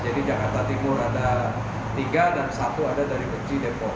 jadi jakarta timur ada tiga dan satu ada dari kecil depok